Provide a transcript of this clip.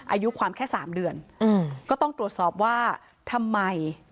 อายุความแค่สามเดือนก็ต้องตรวจสอบว่าทำไม